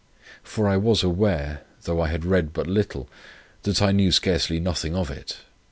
For I was aware, though I read it but little, that I knew scarcely anything of it.